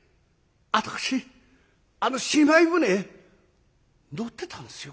私あのしまい船へ乗ってたんですよ」。